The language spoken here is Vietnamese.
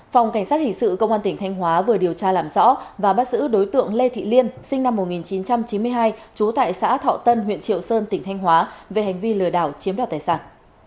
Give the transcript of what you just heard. phòng cảnh sát hình sự công an tỉnh thanh hóa vừa điều tra làm rõ và bắt giữ đối tượng lê thị liên sinh năm một nghìn chín trăm chín mươi hai trú tại xã thọ tân huyện triệu sơn tỉnh thanh hóa về hành vi lừa đảo chiếm đoạt tài sản